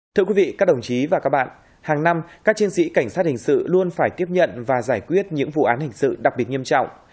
thưa quý vị các đồng chí và các bạn hàng năm các chiến sĩ cảnh sát hình sự luôn phải tiếp nhận và giải quyết những vụ án hình sự đặc biệt nghiêm trọng